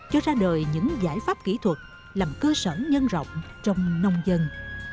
cho ra đời những giải pháp kỹ thuật làm cơ sở nhân rộng trong nông dân